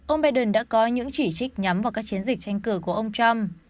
ông biden đã có những chỉ trích nhắm vào các chiến dịch tranh cử của ông trump